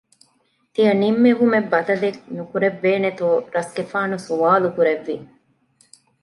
ތިޔަ ނިންމެވުމެއް ބަދަލެއް ނުކުރެއްވޭނެތޯ؟ ރަސްގެފާނު ސުވާލުކުރެއްވި